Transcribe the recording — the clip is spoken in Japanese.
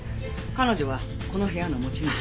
彼女はこの部屋の持ち主で。